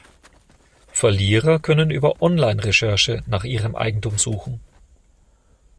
Verlierer können über Online-Recherche nach ihrem Eigentum suchen.